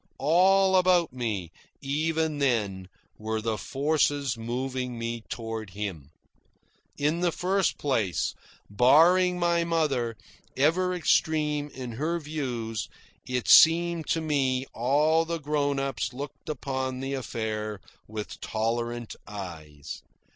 All about me, even then, were the forces moving me toward him. In the first place, barring my mother, ever extreme in her views, it seemed to me all the grown ups looked upon the affair with tolerant eyes.